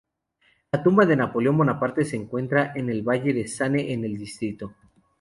La tumba de Napoleón Bonaparte se encuentra en Valle de Sane en el distrito.